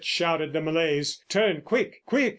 shouted the Malays. "Turn quick! Quick!"